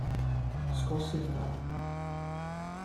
Scosse il capo.